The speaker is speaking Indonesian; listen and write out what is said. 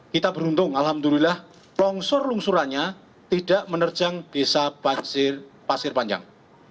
kita beruntung alhamdulillah longsor longsurannya tidak menerjang desa pasir panjang